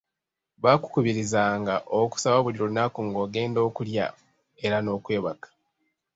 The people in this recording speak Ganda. Baakukubirizanga okusaba buli lunaku ng’ogenda okulya era n’okwebaka.